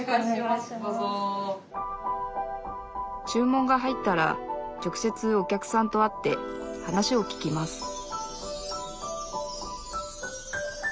注文が入ったら直接お客さんと会って話を聞きます